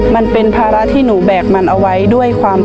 มันเป็นภาระที่หนูแบกเอาไว้อยู่ทุกวันนี้